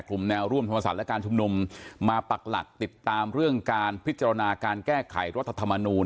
กลุ่มแนวร่วมภาษาและการชุมลุมมาปลักหลักติดตามเรื่องการพิจารณาการแก้ไขรัฐธรรมนุน